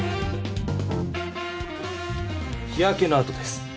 日やけのあとです。